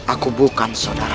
aku bukan saudar